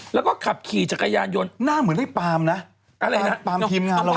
แล้วก็ขับขี่จักรยานยนต์หน้าเหมือนไอ้ปาล์มนะปาล์มพิมพ์งานเราอ่ะ